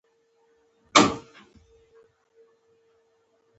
د افغانستان په هره منظره کې غزني په روښانه توګه ښکاري.